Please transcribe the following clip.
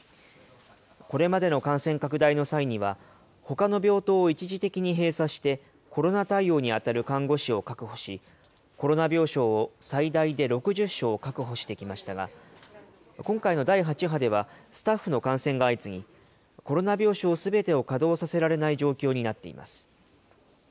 これまでの感染拡大の際には、ほかの病棟を一時的に閉鎖して、コロナ対応に当たる看護師を確保し、コロナ病床を最大で６０床確保してきましたが、今回の第８波では、スタッフの感染が相次ぎ、コロナ病床すべてを稼働させられない状況になっています。